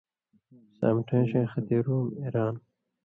سامٹَھیں ݜَیں خطی رُوم، ایران،